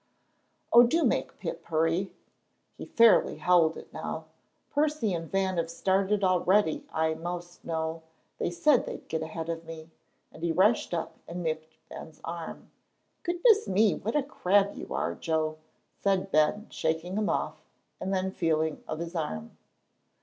"Oh, do make Pip hurry." He fairly howled it now. "Percy and Van have started already, I most know. They said they'd get ahead of me." And he rushed up and nipped Ben's arm. "Goodness me! What a crab you are, Joe!" cried Ben, shaking him off, and then feeling of his arm.